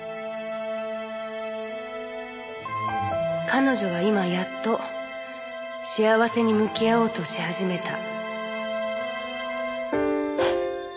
「彼女は今やっと幸せに向き合おうとし始めた」